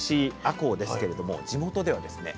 こうですけれども地元ではですね